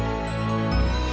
yuk siapkan perhatian jebrak ya